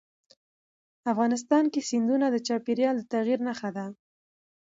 افغانستان کې سیندونه د چاپېریال د تغیر نښه ده.